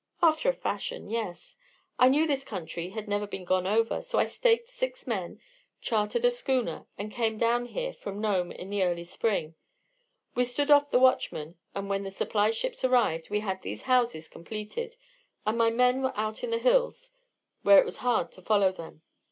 "After a fashion, yes. I knew this country had never been gone over, so I staked six men, chartered a schooner, and came down here from Nome in the early spring. We stood off the watchmen, and when the supply ships arrived, we had these houses completed, and my men were out in the hills where it was hard to follow them.